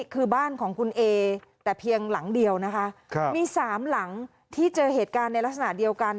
คือบ้านของคุณเอแต่เพียงหลังเดียวนะคะมี๓หลังที่เจอเหตุการณ์ในลักษณะเดียวกัน